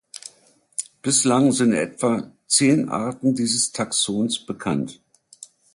Bislang sind etwa zehn Arten dieses Taxons bekannt.